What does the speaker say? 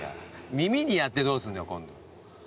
耳にやってどうすんだよ。